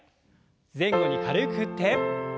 前後に軽く振って。